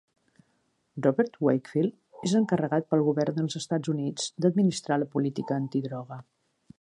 Robert Wakefield és encarregat pel govern dels Estats Units d'administrar la política antidroga.